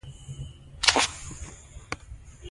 سیاسي عدالت د ټولنې بنسټ دی